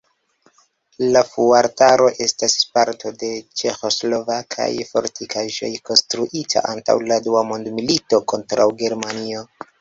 La fuortaro estas parto de ĉeĥoslovakaj fortikaĵoj konstruita antaŭ la dua mondmilito kontraŭ Germanio.